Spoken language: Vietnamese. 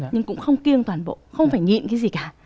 nhưng cũng không kiêng toàn bộ không phải nhìn cái gì cả